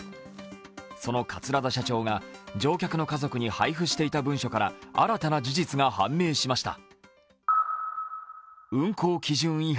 その桂田社長が乗客の家族に配布していた文書から新たな事実が判明しました。